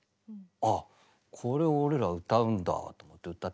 ああこれ俺ら歌うんだと思って歌って。